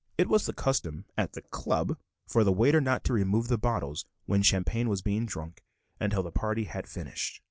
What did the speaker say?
It was the custom at the "Club" for the waiter not to remove the bottles when champagne was being drunk until the party had finished.